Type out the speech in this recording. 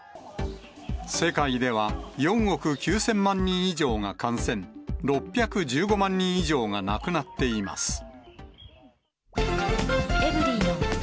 世界では、４億９０００万人以上が感染、６１５万人以上が亡くなっています。